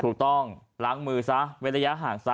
ถูกต้องล้างมือซะเว้นระยะห่างซะ